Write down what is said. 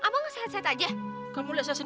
masih bang ya